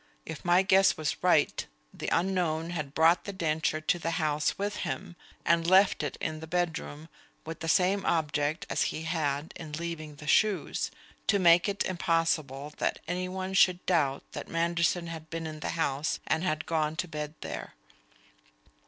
If my guess was right, the unknown had brought the denture to the house with him, and left it in the bedroom, with the same object as he had in leaving the shoes; to make it impossible that any one should doubt that Manderson had been in the house and had gone to bed there.